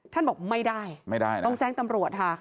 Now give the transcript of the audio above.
ท่านบอกไม่ได้ต้องแจ้งตำรวจค่ะ